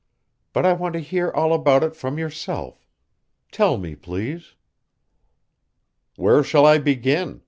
"But I want to hear all about it from yourself. Tell me, please." "Where shall I begin?"